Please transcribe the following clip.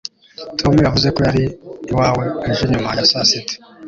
tom yavuze ko yari iwawe ejo nyuma ya saa sita